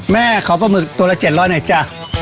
แม่ขอปลาหมึกตัวละ๗๐๐หน่อยจ้ะ